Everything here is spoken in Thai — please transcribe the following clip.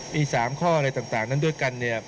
มี๓ข้ออะไรต่างนั้นด้วยกันเนี่ย